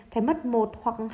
phải mất một hoặc hai năm